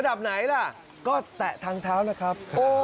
ระดับไหนล่ะก็แตะทางเท้าล่ะครับ